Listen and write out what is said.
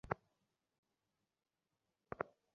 প্রথম রাউন্ডটা ছিল নক-আউট।